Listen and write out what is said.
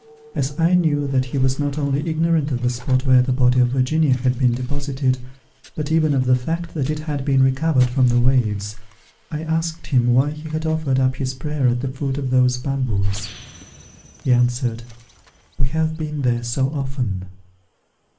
As I knew that he was not only ignorant of the spot where the body of Virginia had been deposited, but even of the fact that it had been recovered from the waves, I asked him why he had offered up his prayer at the foot of those bamboos. He answered, "We have been there so often."